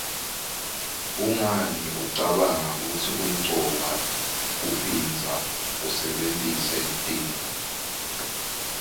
Kungani ucabanga kutsi kumcoka kuphindza usebentise tintfo?